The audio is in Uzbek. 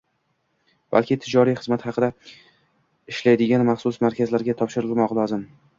balki tijoriy, xizmat haqiga ishlaydigan maxsus markazlarga topshirilmog‘i lozim